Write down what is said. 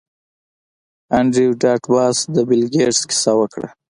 انډریو ډاټ باس د بیل ګیټس کیسه وکړه